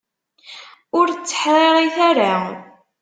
Ur tteḥṛiṛit ara!